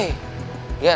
gue mau ke kamar